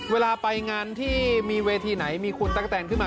เวลาไปงานที่มีเวทีไหนมีคุณตั๊กกะแตนขึ้นมา